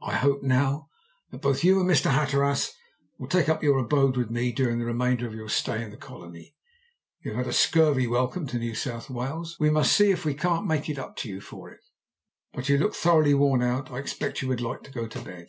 I hope now that both you and Mr. Hatteras will take up your abode with me during the remainder of your stay in the colony. You have had a scurvy welcome to New South Wales. We must see if we can't make up to you for it. But you look thoroughly worn out; I expect you would like to go to bed."